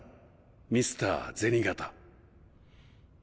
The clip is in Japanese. ミスター銭形。